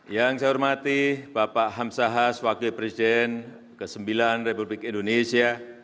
yang saya hormati bapak hamsahas wakil presiden ke sembilan republik indonesia